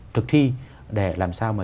thực thi để làm sao mà